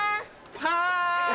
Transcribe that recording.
はい。